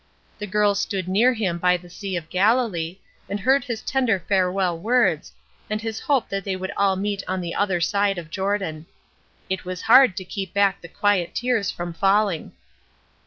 The girls stood near him by the sea of Galilee, and heard his tender farewell words, and his hope that they would all meet on the other side of Jordon. It was hard to keep back the quiet tears from falling.